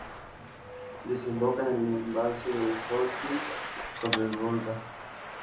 Desemboca en el embalse de Gorki, sobre el Volga.